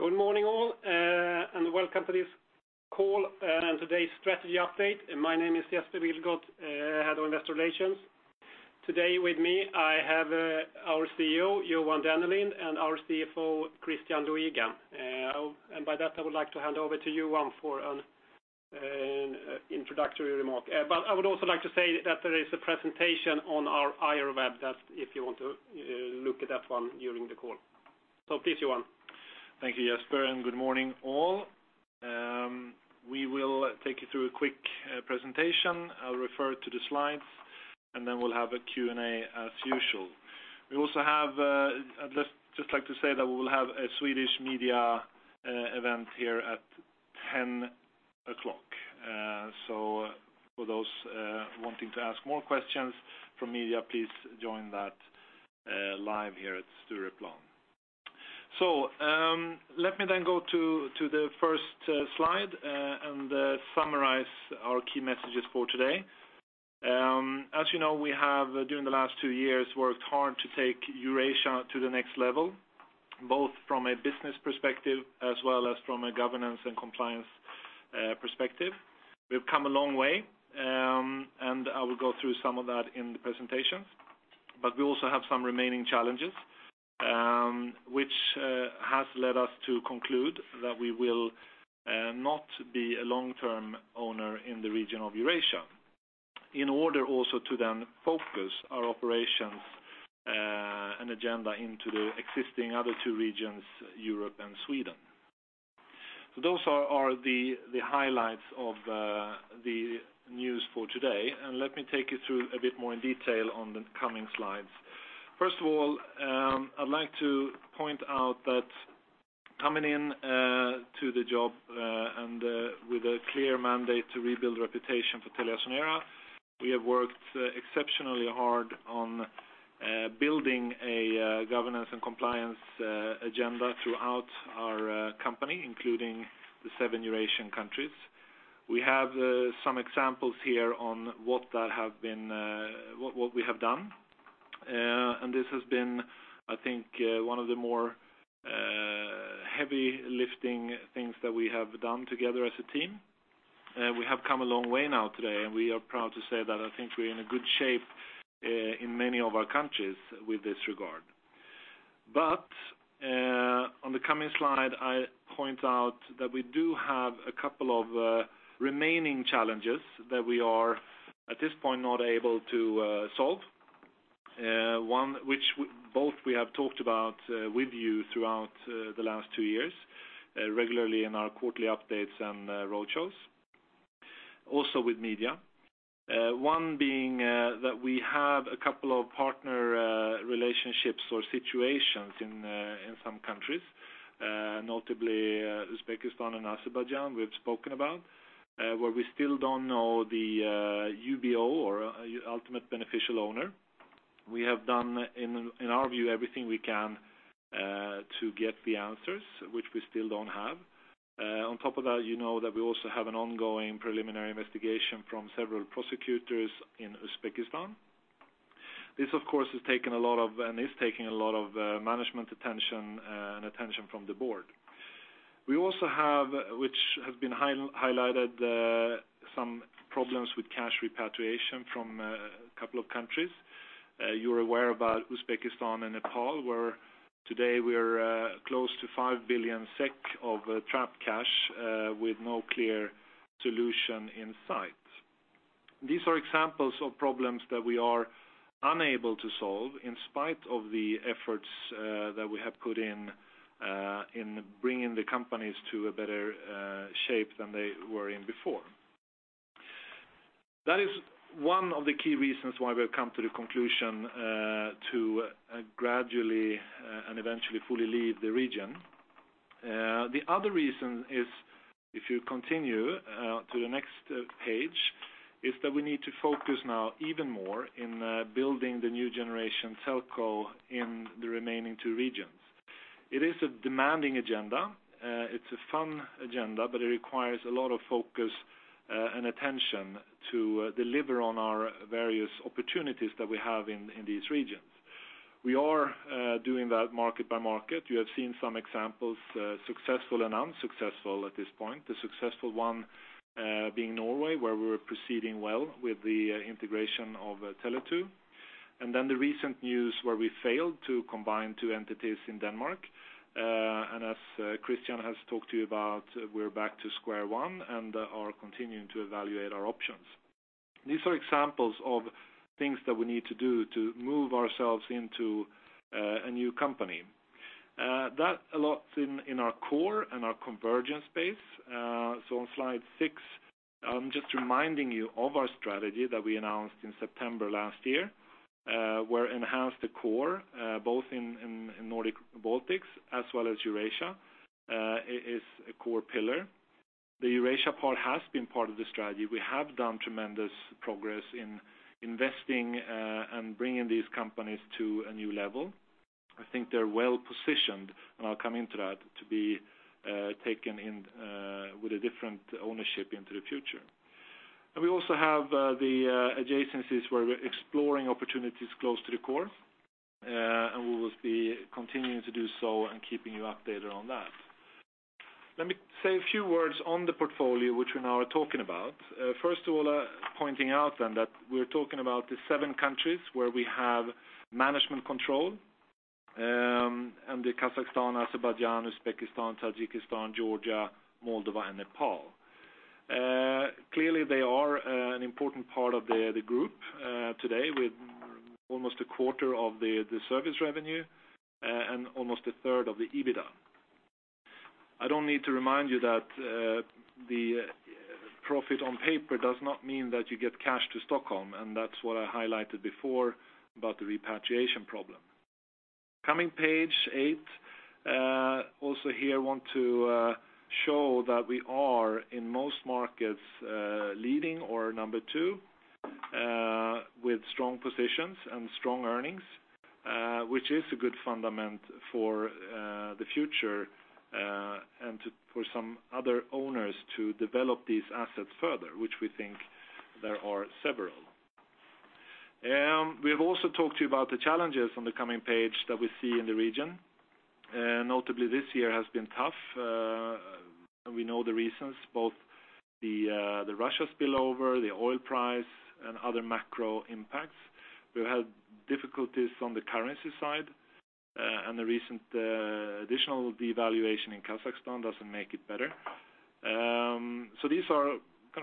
Good morning, all, and welcome to this call and today's strategy update. My name is Jesper Wilgodt, Head of Investor Relations. Today with me, I have our CEO, Johan Dennelind, and our CFO, Christian Luiga. By that, I would like to hand over to Johan for an introductory remark. I would also like to say that there is a presentation on our IR web, that if you want to look at that one during the call. Please, Johan. Thank you, Jesper, and good morning, all. We will take you through a quick presentation. I'll refer to the slides, and then we'll have a Q&A as usual. I'd just like to say that we will have a Swedish media event here at 10 o'clock. For those wanting to ask more questions from media, please join that live here at Stureplan. Let me then go to the first slide and summarize our key messages for today. As you know, we have during the last two years, worked hard to take Eurasia to the next level, both from a business perspective as well as from a governance and compliance perspective. We've come a long way, and I will go through some of that in the presentation. We also have some remaining challenges, which has led us to conclude that we will not be a long-term owner in the region of Eurasia in order also to then focus our operations and agenda into the existing other two regions, Europe and Sweden. Those are the highlights of the news for today, and let me take you through a bit more in detail on the coming slides. First of all, I'd like to point out that coming into the job and with a clear mandate to rebuild reputation for TeliaSonera, we have worked exceptionally hard on building a governance and compliance agenda throughout our company, including the seven Eurasian countries. We have some examples here on what we have done. This has been, I think, one of the more heavy lifting things that we have done together as a team. We have come a long way now today, and we are proud to say that I think we're in a good shape in many of our countries with this regard. On the coming slide, I point out that we do have a couple of remaining challenges that we are at this point not able to solve. One which both we have talked about with you throughout the last two years, regularly in our quarterly updates and roadshows, also with media. One being that we have a couple of partner relationships or situations in some countries, notably Uzbekistan and Azerbaijan we've spoken about, where we still don't know the UBO or ultimate beneficial owner. We have done, in our view, everything we can to get the answers, which we still don't have. On top of that, you know that we also have an ongoing preliminary investigation from several prosecutors in Uzbekistan. This, of course, has taken a lot of, and is taking a lot of, management attention and attention from the board. We also have, which has been highlighted, some problems with cash repatriation from a couple of countries. You're aware about Uzbekistan and Nepal, where today we're close to 5 billion SEK of trapped cash with no clear solution in sight. These are examples of problems that we are unable to solve in spite of the efforts that we have put in bringing the companies to a better shape than they were in before. That is one of the key reasons why we've come to the conclusion to gradually and eventually fully leave the region. The other reason is, if you continue to the next page, is that we need to focus now even more in building the new generation telco in the remaining two regions. It is a demanding agenda. It's a fun agenda, but it requires a lot of focus and attention to deliver on our various opportunities that we have in these regions. We are doing that market by market. You have seen some examples, successful and unsuccessful at this point. The successful one being Norway, where we're proceeding well with the integration of Tele2. The recent news where we failed to combine two entities in Denmark. As Christian has talked to you about, we're back to square one and are continuing to evaluate our options. These are examples of things that we need to do to move ourselves into a new company. That a lot in our core and our convergence space. On slide six, I'm just reminding you of our strategy that we announced in September last year, where enhance the core, both in Nordic-Baltics as well as Eurasia, is a core pillar. The Eurasia part has been part of the strategy. We have done tremendous progress in investing and bringing these companies to a new level. I think they're well positioned, and I'll come into that, to be taken in with a different ownership into the future. We also have the adjacencies where we're exploring opportunities close to the core, and we will be continuing to do so and keeping you updated on that. Let me say a few words on the portfolio, which we now are talking about. First of all, pointing out then that we're talking about the seven countries where we have management control, and the Kazakhstan, Azerbaijan, Uzbekistan, Tajikistan, Georgia, Moldova, and Nepal. Clearly, they are an important part of the group today with almost a quarter of the service revenue and almost a third of the EBITDA. I don't need to remind you that the profit on paper does not mean that you get cash to Stockholm, and that's what I highlighted before about the repatriation problem. Coming page eight, also here I want to show that we are, in most markets, leading or number 2 with strong positions and strong earnings, which is a good fundament for the future and for some other owners to develop these assets further, which we think there are several. We have also talked to you about the challenges on the coming page that we see in the region. Notably this year has been tough. We know the reasons, both the Russia spillover, the oil price, and other macro impacts. We've had difficulties on the currency side, and the recent additional devaluation in Kazakhstan doesn't make it better. These are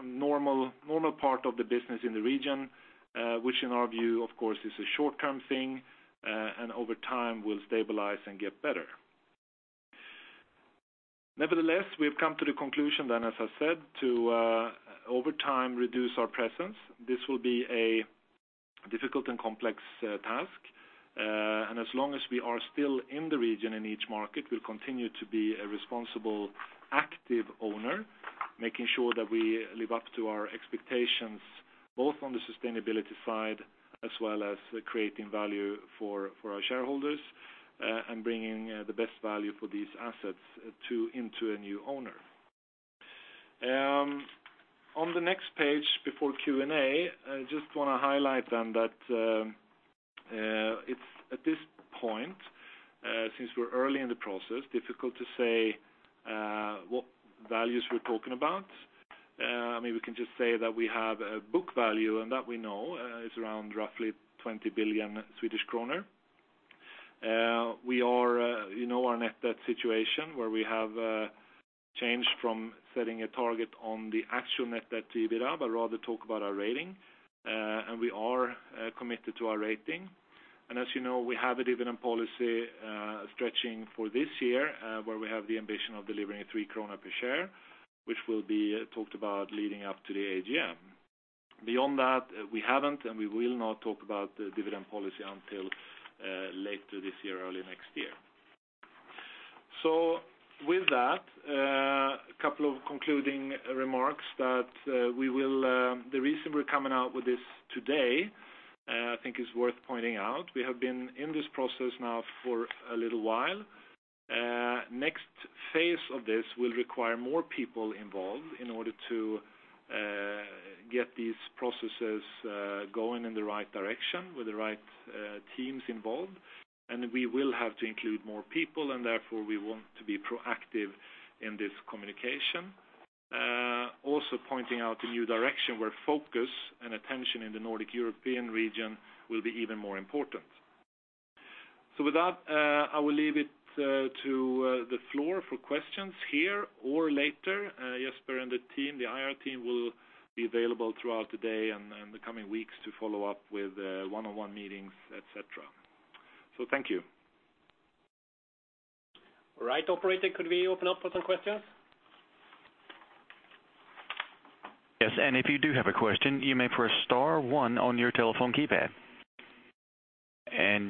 normal part of the business in the region, which in our view, of course, is a short-term thing, and over time will stabilize and get better. Nevertheless, we have come to the conclusion then, as I said, to over time reduce our presence. This will be a difficult and complex task. As long as we are still in the region in each market, we'll continue to be a responsible, active owner, making sure that we live up to our expectations, both on the sustainability side as well as creating value for our shareholders and bringing the best value for these assets into a new owner. On the next page before Q&A, I just want to highlight then that it's at this point, since we're early in the process, difficult to say what values we're talking about. Maybe we can just say that we have a book value, and that we know is around roughly 20 billion Swedish kronor. You know our net debt situation where we have changed from setting a target on the actual net debt to EBITDA, but rather talk about our rating. We are committed to our rating. As you know, we have a dividend policy stretching for this year where we have the ambition of delivering 3 krona per share, which will be talked about leading up to the AGM. Beyond that, we haven't and we will not talk about the dividend policy until later this year or early next year. With that, a couple of concluding remarks that the reason we're coming out with this today, I think is worth pointing out. We have been in this process now for a little while. Next phase of this will require more people involved in order to get these processes going in the right direction with the right teams involved, and we will have to include more people, and therefore we want to be proactive in this communication. Also pointing out a new direction where focus and attention in the Nordic European region will be even more important. With that, I will leave it to the floor for questions here or later. Jesper and the team, the IR team, will be available throughout the day and the coming weeks to follow up with one-on-one meetings, et cetera. Thank you. Right, operator, could we open up for some questions? Yes, if you do have a question, you may press star one on your telephone keypad.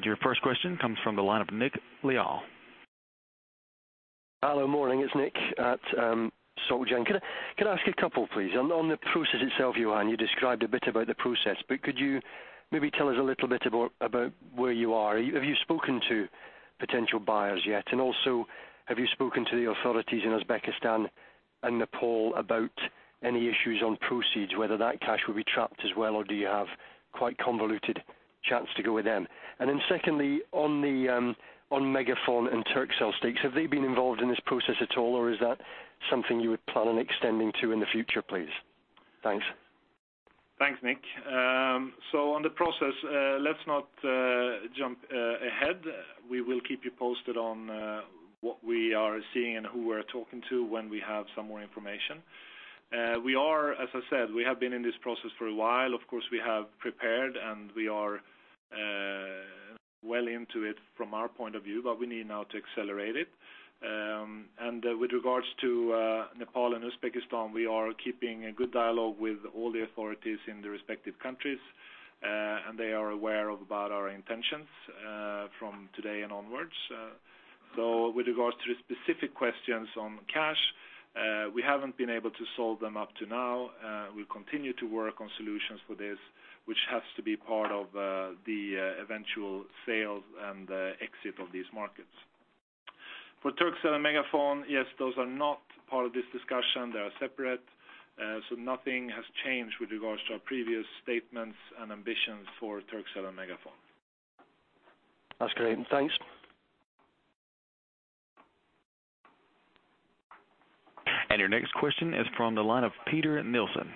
Your first question comes from the line of Nick Lyall. Hello, morning. It's Nick at SocGen. Could I ask a couple, please? On the process itself, Johan, you described a bit about the process, but could you maybe tell us a little bit about where you are? Have you spoken to potential buyers yet? Have you spoken to the authorities in Uzbekistan and Nepal about any issues on proceeds, whether that cash will be trapped as well, or do you have quite convoluted chance to go with them? Secondly, on MegaFon and Turkcell stakes, have they been involved in this process at all, or is that something you would plan on extending to in the future, please? Thanks. Thanks, Nick. On the process, let's not jump ahead. We will keep you posted on what we are seeing and who we're talking to when we have some more information. As I said, we have been in this process for a while. Of course, we have prepared and we are well into it from our point of view, but we need now to accelerate it. With regards to Nepal and Uzbekistan, we are keeping a good dialogue with all the authorities in the respective countries, and they are aware about our intentions from today and onwards. With regards to the specific questions on cash, we haven't been able to solve them up to now. We continue to work on solutions for this, which has to be part of the eventual sales and the exit of these markets. For Turkcell and MegaFon, yes, those are not part of this discussion. They are separate. Nothing has changed with regards to our previous statements and ambitions for Turkcell and MegaFon. That's great. Thanks. Your next question is from the line of Peter Nilsson.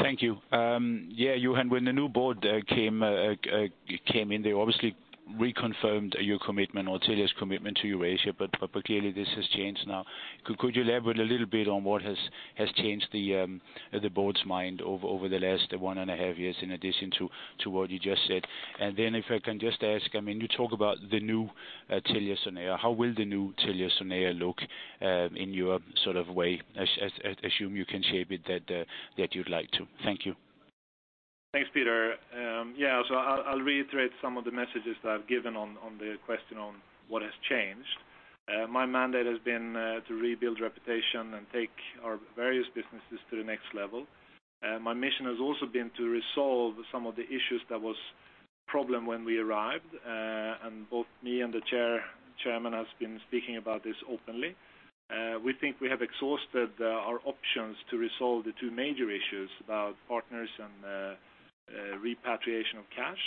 Thank you. Johan, when the new board came in, they obviously reconfirmed your commitment, or Telia's commitment to Eurasia, clearly this has changed now. Could you elaborate a little bit on what has changed the board's mind over the last one and a half years, in addition to what you just said? If I can just ask, you talk about the new TeliaSonera. How will the new TeliaSonera look in your way, assume you can shape it that you'd like to. Thank you. Thanks, Peter. Yeah, I'll reiterate some of the messages that I've given on the question on what has changed. My mandate has been to rebuild reputation and take our various businesses to the next level. My mission has also been to resolve some of the issues that was problem when we arrived, and both me and the chairman has been speaking about this openly. We think we have exhausted our options to resolve the two major issues about partners and repatriation of cash.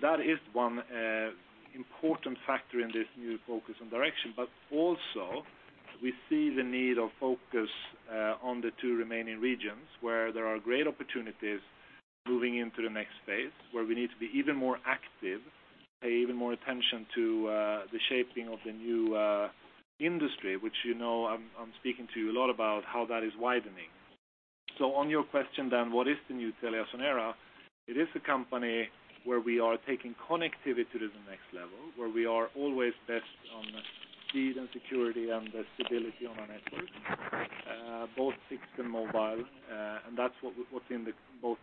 That is one important factor in this new focus and direction. Also, we see the need of focus on the two remaining regions, where there are great opportunities moving into the next phase. Where we need to be even more active, pay even more attention to the shaping of the new industry, which you know I'm speaking to you a lot about how that is widening. On your question then, what is the new TeliaSonera? It is a company where we are taking connectivity to the next level, where we are always best on speed and security and the stability on our network, both fixed and mobile. That's what's in both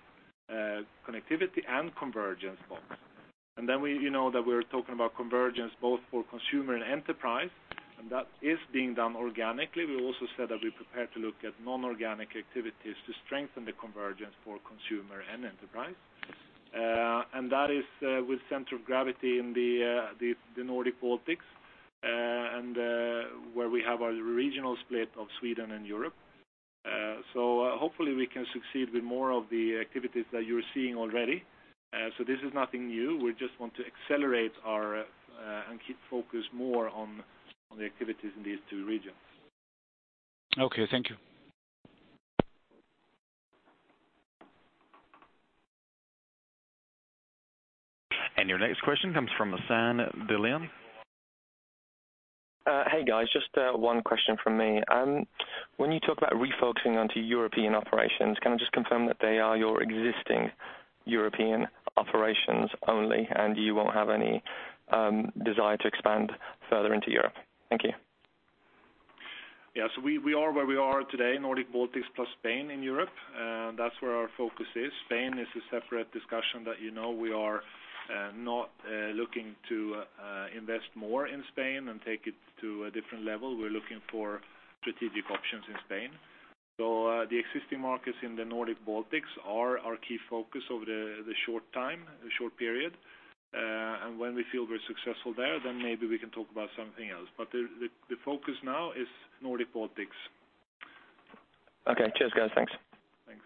connectivity and convergence box. You know that we're talking about convergence both for consumer and enterprise, and that is being done organically. We also said that we're prepared to look at non-organic activities to strengthen the convergence for consumer and enterprise. That is with center of gravity in the Nordic Baltics, and where we have our regional split of Sweden and Europe. Hopefully we can succeed with more of the activities that you're seeing already. This is nothing new. We just want to accelerate our and keep focused more on the activities in these two regions. Okay. Thank you. Your next question comes from Hassan Bilal. Hey, guys, just one question from me. When you talk about refocusing onto European operations, can I just confirm that they are your existing European operations only, and you won't have any desire to expand further into Europe? Thank you. Yeah. We are where we are today, Nordic Baltics plus Spain in Europe. That's where our focus is. Spain is a separate discussion that you know we are not looking to invest more in Spain and take it to a different level. We're looking for strategic options in Spain. The existing markets in the Nordic Baltics are our key focus over the short time, the short period. When we feel we're successful there, then maybe we can talk about something else. The focus now is Nordic Baltics. Okay. Cheers, guys. Thanks. Thanks.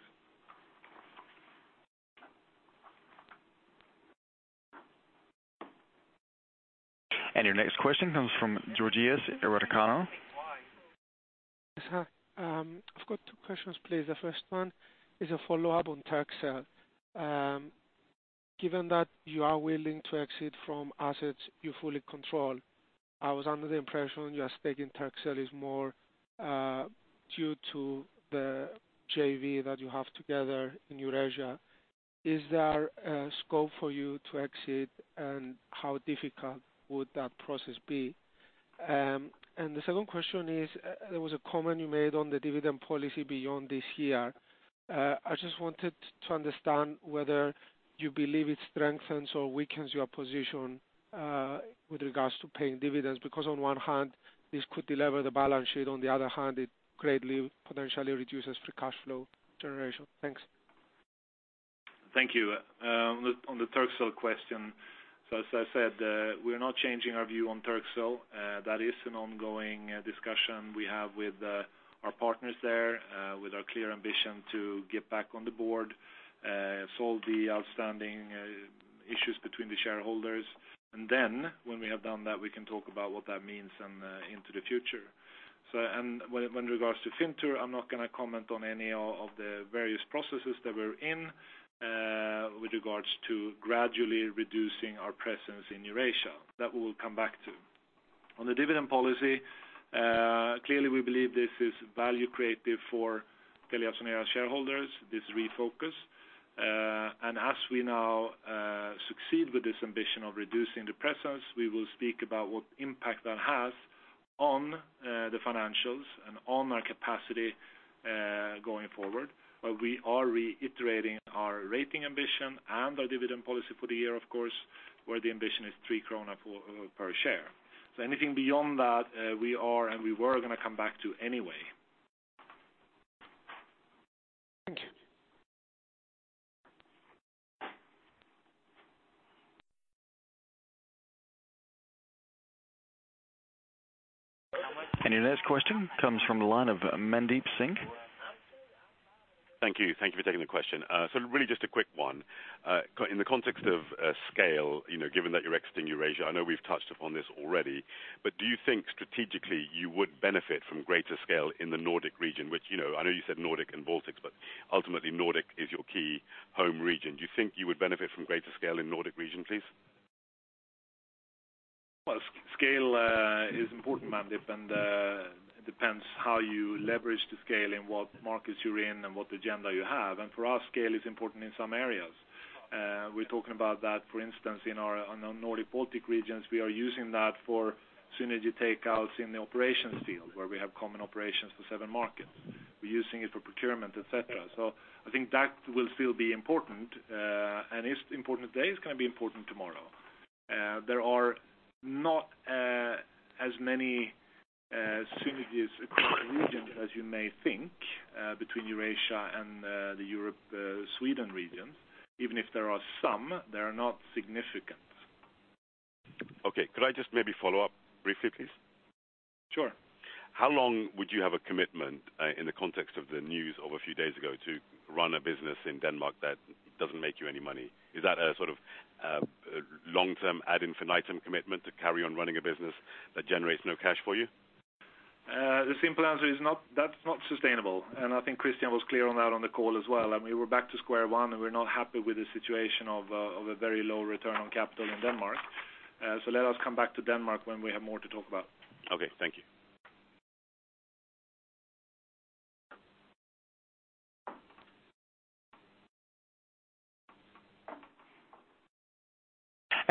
Your next question comes from Georgios Ierodiaconou. Yes, hi. I've got two questions, please. The first one is a follow-up on Turkcell. Given that you are willing to exit from assets you fully control, I was under the impression your stake in Turkcell is more due to the JV that you have together in Eurasia. Is there a scope for you to exit, and how difficult would that process be? The second question is, there was a comment you made on the dividend policy beyond this year. I just wanted to understand whether you believe it strengthens or weakens your position with regards to paying dividends, because on one hand, this could delever the balance sheet, on the other hand, it greatly potentially reduces free cash flow generation. Thanks. Thank you. On the Turkcell question, as I said, we're not changing our view on Turkcell. That is an ongoing discussion we have with our partners there, with our clear ambition to get back on the board, solve the outstanding issues between the shareholders, and then when we have done that, we can talk about what that means and into the future. When regards to Fintur, I'm not going to comment on any of the various processes that we're in with regards to gradually reducing our presence in Eurasia. That we'll come back to. On the dividend policy, clearly we believe this is value creative for TeliaSonera shareholders, this refocus. As we now succeed with this ambition of reducing the presence, we will speak about what impact that has on the financials and on our capacity going forward. We are reiterating our rating ambition and our dividend policy for the year, of course, where the ambition is three SEK per share. Anything beyond that, we were going to come back to anyway. Thank you. Your next question comes from the line of Mandeep Singh. Thank you for taking the question. Really just a quick one. In the context of scale, given that you're exiting Eurasia, I know we've touched upon this already, but do you think strategically you would benefit from greater scale in the Nordic region? Which I know you said Nordic and Baltics, but ultimately Nordic is your key home region. Do you think you would benefit from greater scale in Nordic region, please? Well, scale is important, Mandeep, and it depends how you leverage the scale in what markets you're in and what agenda you have. For us, scale is important in some areas. We're talking about that, for instance, in our Nordic-Baltic regions, we are using that for synergy takeouts in the operations field where we have common operations for seven markets. We're using it for procurement, et cetera. I think that will still be important. It's important today, it's going to be important tomorrow. There are not as many synergies across the region as you may think between Eurasia and the Europe, Sweden region. Even if there are some, they are not significant. Okay. Could I just maybe follow up briefly, please? Sure. How long would you have a commitment, in the context of the news of a few days ago, to run a business in Denmark that doesn't make you any money? Is that a long-term ad infinitum commitment to carry on running a business that generates no cash for you? The simple answer is that's not sustainable. I think Christian was clear on that on the call as well. We're back to square one. We're not happy with the situation of a very low return on capital in Denmark. Let us come back to Denmark when we have more to talk about. Okay. Thank you.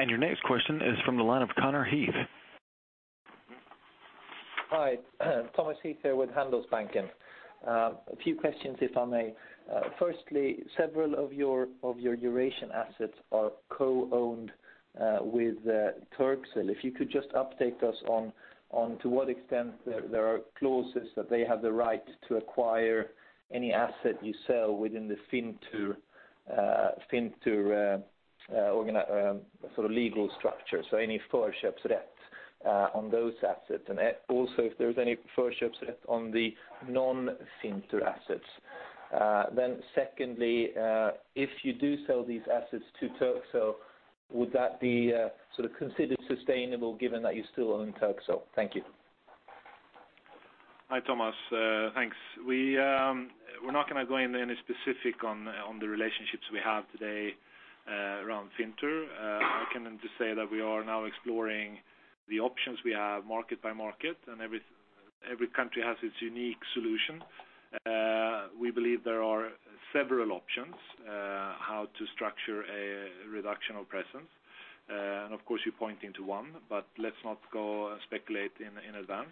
Your next question is from the line of Thomas Heath. Hi. Thomas Heath here with Handelsbanken. A few questions, if I may. Firstly, several of your Eurasian assets are co-owned with Turkcell. If you could just update us on to what extent there are clauses that they have the right to acquire any asset you sell within the Fintur sort of legal structure, so any first refusal right on those assets. And also if there's any first refusal right on the non-Fintur assets. Secondly, if you do sell these assets to Turkcell, would that be considered sustainable given that you still own Turkcell? Thank you. Hi, Thomas. Thanks. We're not going to go into any specific on the relationships we have today around Fintur. I can just say that we are now exploring the options we have market by market, and every country has its unique solution. We believe there are several options how to structure a reduction of presence. Of course, you're pointing to one, but let's not go speculate in advance.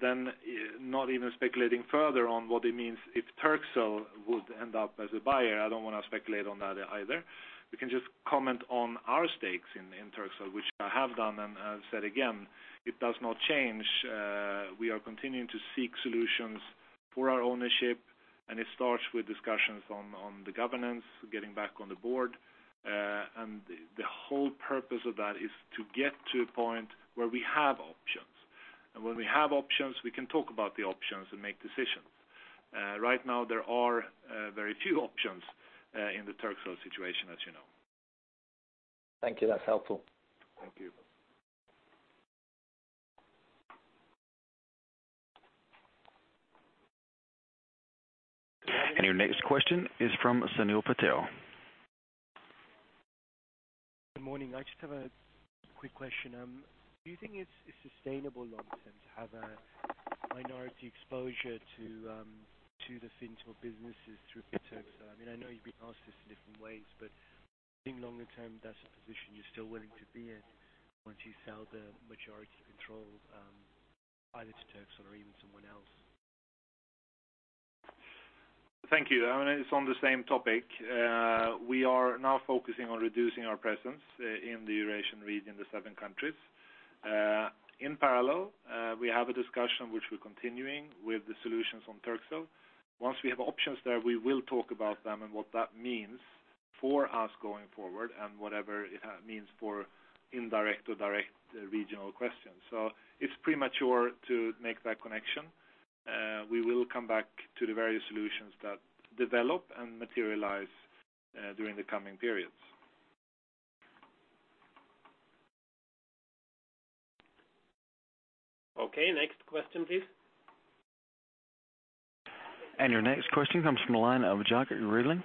Then not even speculating further on what it means if Turkcell would end up as a buyer. I don't want to speculate on that either. We can just comment on our stakes in Turkcell, which I have done, and I'll say it again, it does not change. We are continuing to seek solutions for our ownership, and it starts with discussions on the governance, getting back on the board. The whole purpose of that is to get to a point where we have options. When we have options, we can talk about the options and make decisions. Right now, there are very few options in the Turkcell situation, as you know. Thank you. That's helpful. Thank you. Your next question is from Sunil Patel. Good morning. I just have a quick question. Do you think it's sustainable long-term to have a minority exposure to the Fintur businesses through Turkcell? I know you've been asked this in different ways, but do you think longer term that's a position you're still willing to be in once you sell the majority control, either to Turkcell or even someone else? Thank you. It's on the same topic. We are now focusing on reducing our presence in the Eurasian region, the seven countries. In parallel, we have a discussion which we're continuing with the solutions on Turkcell. Once we have options there, we will talk about them and what that means for us going forward and whatever it means for indirect or direct regional questions. It's premature to make that connection. We will come back to the various solutions that develop and materialize during the coming periods. Okay. Next question, please. Your next question comes from the line of Jacques Rivelin.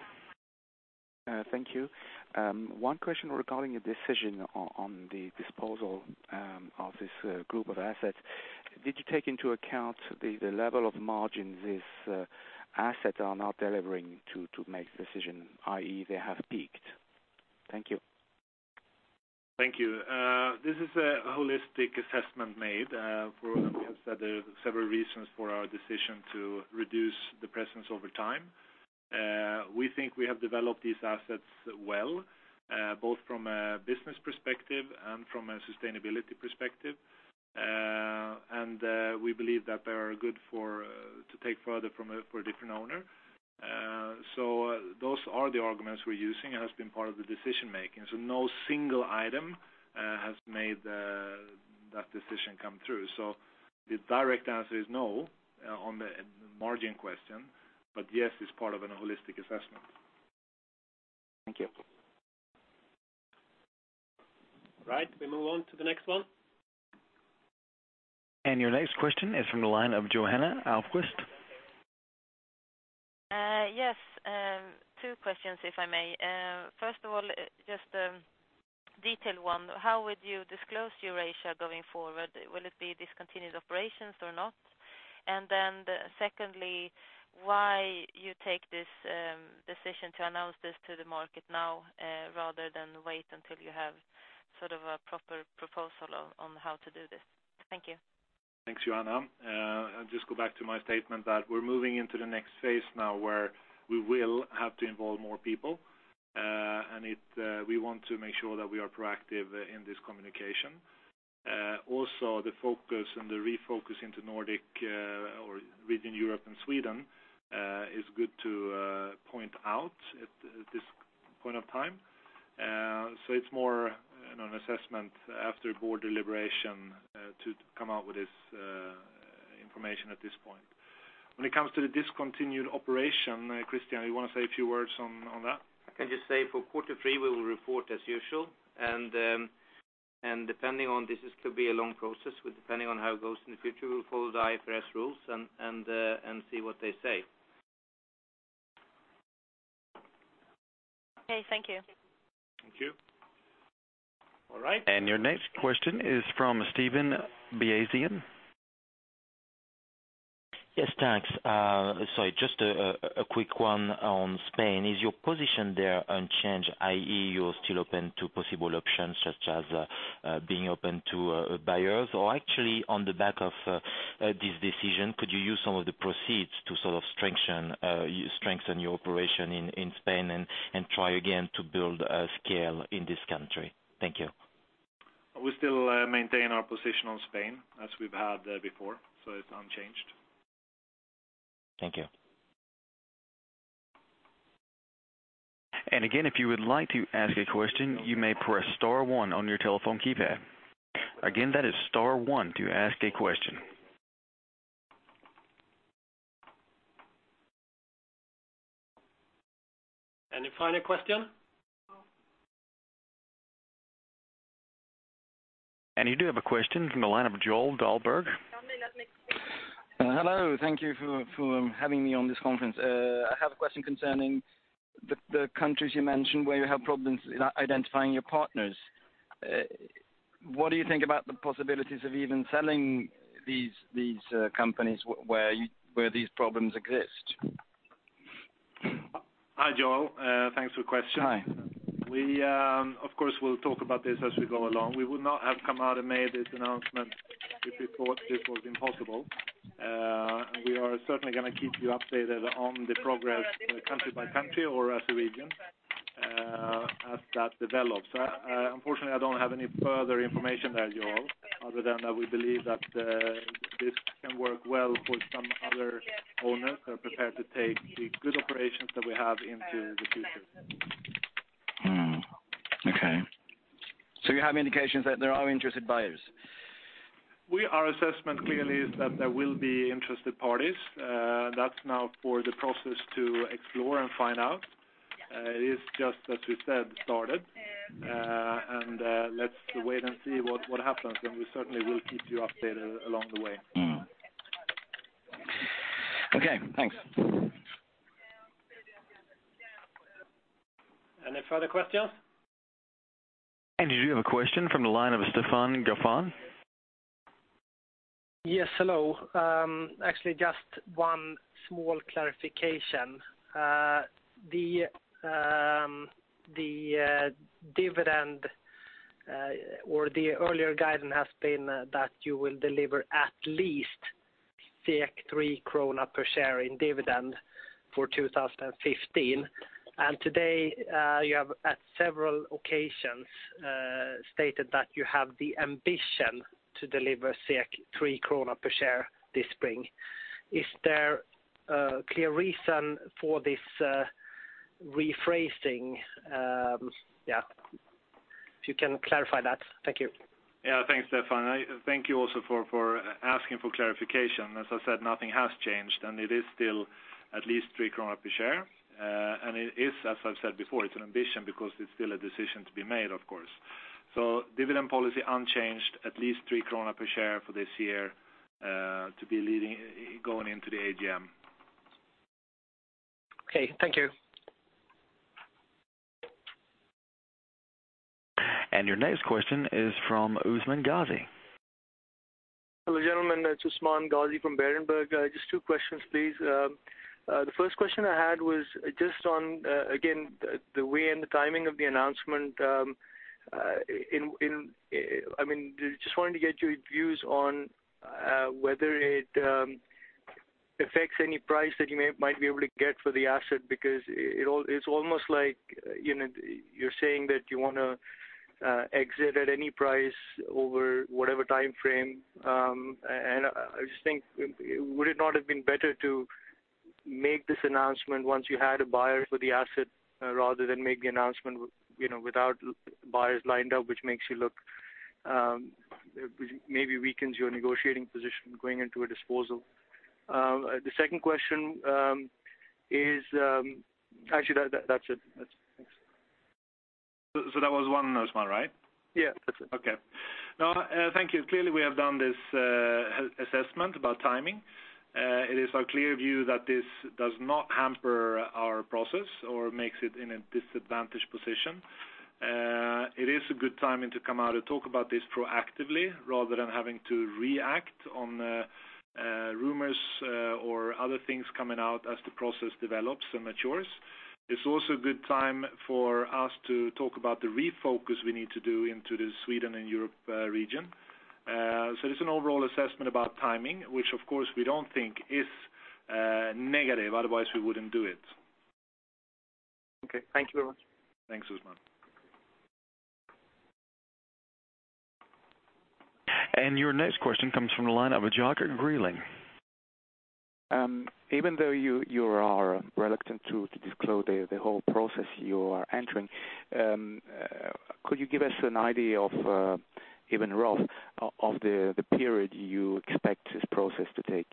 Thank you. One question regarding a decision on the disposal of this group of assets. Did you take into account the level of margins these assets are now delivering to make the decision, i.e., they have peaked? Thank you. Thank you. This is a holistic assessment made. We have said there are several reasons for our decision to reduce the presence over time. We think we have developed these assets well both from a business perspective and from a sustainability perspective. We believe that they are good to take further from a different owner. Those are the arguments we're using and has been part of the decision-making. No single item has made that decision come through. The direct answer is no on the margin question, but yes, it's part of a holistic assessment. Thank you. Right. We move on to the next one. Your next question is from the line of Johanna Ahlqvist. Yes. Two questions, if I may. First of all, just a detailed one. How would you disclose Eurasia going forward? Will it be discontinued operations or not? Secondly, why you take this decision to announce this to the market now rather than wait until you have sort of a proper proposal on how to do this? Thank you. Thanks, Johanna. I'll just go back to my statement that we're moving into the next phase now where we will have to involve more people. We want to make sure that we are proactive in this communication. Also, the focus and the refocus into Nordic or within Europe and Sweden is good to point out at this point of time. It's more an assessment after board deliberation to come out with this information at this point. When it comes to the discontinued operation, Christian, you want to say a few words on that? I can just say for quarter three, we will report as usual, and depending on this is to be a long process with depending on how it goes in the future, we'll follow the IFRS rules and see what they say. Okay. Thank you. Thank you. All right. Your next question is from Steven Bezian. Yes, thanks. Sorry, just a quick one on Spain. Is your position there unchanged, i.e., you're still open to possible options such as being open to buyers? Actually on the back of this decision, could you use some of the proceeds to sort of strengthen your operation in Spain and try again to build a scale in this country? Thank you. We still maintain our position on Spain as we've had before, it's unchanged. Thank you. Again, if you would like to ask a question, you may press star one on your telephone keypad. Again, that is star one to ask a question. Any final question? You do have a question from the line of Joel Dahlberg. Hello. Thank you for having me on this conference. I have a question concerning the countries you mentioned where you have problems identifying your partners. What do you think about the possibilities of even selling these companies where these problems exist? Hi, Joel. Thanks for question. Hi. Of course, we'll talk about this as we go along. We would not have come out and made this announcement if we thought this was impossible. We are certainly going to keep you updated on the progress country by country or as a region as that develops. Unfortunately, I don't have any further information there, Joel, other than that we believe that this can work well for some other owners who are prepared to take the good operations that we have into the future. Okay. You have indications that there are interested buyers? Our assessment clearly is that there will be interested parties. That's now for the process to explore and find out. It is just as we said, started. Let's wait and see what happens, and we certainly will keep you updated along the way. Okay, thanks. Any further questions? You do have a question from the line of Stefan Gauffin. Yes, hello. Actually, just one small clarification. The dividend or the earlier guidance has been that you will deliver at least 3 krona per share in dividend for 2015. Today, you have at several occasions, stated that you have the ambition to deliver 3 krona per share this spring. Is there a clear reason for this rephrasing? Yeah, if you can clarify that. Thank you. Yeah, thanks, Stefan. Thank you also for asking for clarification. As I said, nothing has changed, it is still at least three SEK per share. It is as I've said before, it's an ambition because it's still a decision to be made, of course. Dividend policy unchanged, at least three SEK per share for this year to be going into the AGM. Okay. Thank you. Your next question is from Usman Ghazi. Hello, gentlemen. It's Usman Ghazi from Berenberg. Just two questions, please. The first question I had was just on, again, the way and the timing of the announcement. I mean, just wanted to get your views on whether it- Affects any price that you might be able to get for the asset, because it's almost like you're saying that you want to exit at any price over whatever timeframe. I just think, would it not have been better to make this announcement once you had a buyer for the asset rather than make the announcement without buyers lined up, which maybe weakens your negotiating position going into a disposal? The second question is, actually, that's it. Thanks. That was one, Usman, right? Yeah, that's it. Okay. No, thank you. Clearly, we have done this assessment about timing. It is our clear view that this does not hamper our process or makes it in a disadvantaged position. It is a good timing to come out and talk about this proactively rather than having to react on rumors or other things coming out as the process develops and matures. It's also a good time for us to talk about the refocus we need to do into the Sweden and Europe region. It is an overall assessment about timing, which of course, we don't think is negative, otherwise we wouldn't do it. Okay. Thank you very much. Thanks, Usman. Your next question comes from the line of Joachim Greiling. Even though you are reluctant to disclose the whole process you are entering, could you give us an idea of, even rough, of the period you expect this process to take,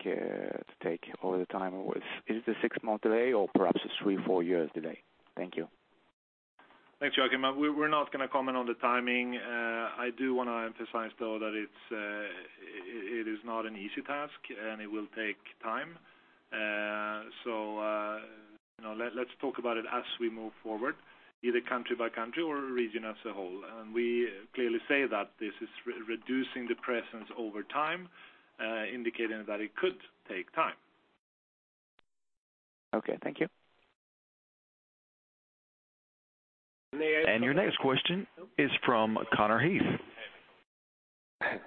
or the time? Is it a six-month delay or perhaps a three, four years delay? Thank you. Thanks, Joachim. We're not going to comment on the timing. I do want to emphasize, though, that it is not an easy task, and it will take time. Let's talk about it as we move forward, either country by country or region as a whole. We clearly say that this is reducing the presence over time, indicating that it could take time. Okay, thank you. May I- Your next question is from Conor O'Shea.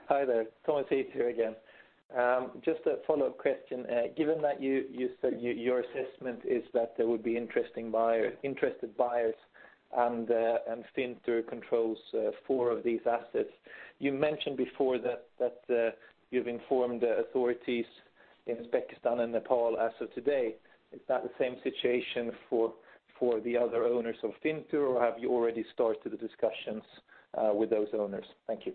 Hi there. Conor O'Shea here again. Just a follow-up question. Given that you said your assessment is that there would be interested buyers and Fintur controls four of these assets. You mentioned before that you've informed the authorities in Uzbekistan and Nepal as of today. Is that the same situation for the other owners of Fintur, or have you already started the discussions with those owners? Thank you.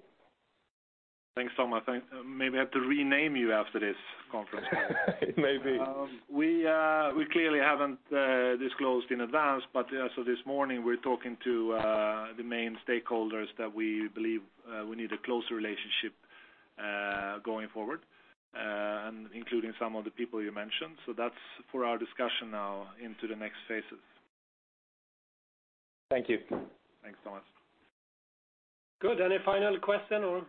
Thanks, Conor. Maybe I have to rename you after this conference call. Maybe. We clearly haven't disclosed in advance, but as of this morning, we're talking to the main stakeholders that we believe we need a closer relationship going forward, including some of the people you mentioned. That's for our discussion now into the next phases. Thank you. Thanks so much. Good. Any final question, or?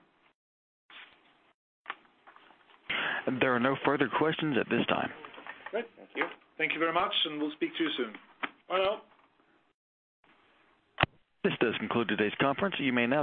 There are no further questions at this time. Great. Thank you. Thank you very much. We'll speak to you soon. Bye now. This does conclude today's conference. You may now disconnect.